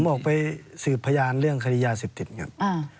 ผมออกไปสูบพญานเรื่องคดียา๑๐ติดกัน